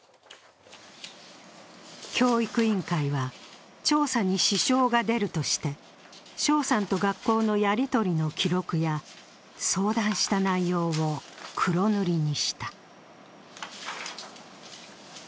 教育委員会は調査に支障が出るとして翔さんと学校のやり取りの記録や相談した内容を黒塗りにした。